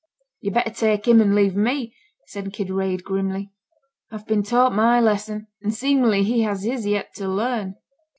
'Yo'd better take him and leave me,' said Kinraid, grimly. 'I've been taught my lesson; and seemingly he has his yet to learn.'